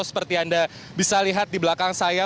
seperti anda bisa lihat di belakang saya